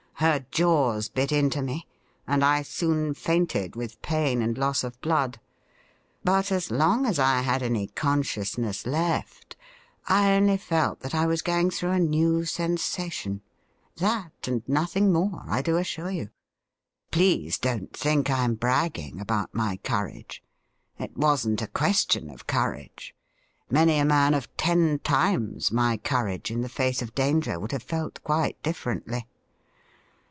Her jaws bit into me, and I soon fainted with pain and loss of blood ; but as long as I had any consciousness left I only felt that I was going through a new sensation — that and nothing more, I do assure you. Please don't think I am bragging about my courage. It wasn't a question of courage. Many a man of ten times my courage in the face of danger would have felt quite differently.'